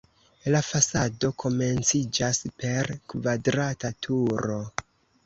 La fasado komenciĝas per kvadrata turo.